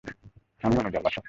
আমি অনুযার বাসায়।